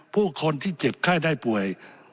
ผู้คนที่เจ็บไข้ได้ป่วย